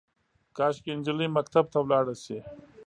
کاشکي، نجلۍ مکتب ته ولاړه شي